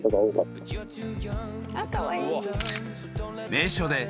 ［名所で。